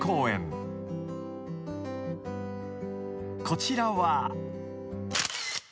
［こちらは］